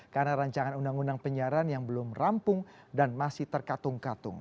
karena rancangan undang undang penyiaran yang belum rampung dan masih terkatung katung